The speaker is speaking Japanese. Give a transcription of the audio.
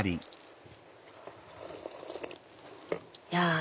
いや。